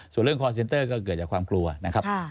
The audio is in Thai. ส่วนเรื่องคอร์เซ็นเตอร์ก็เกิดจากความกลัวนะครับ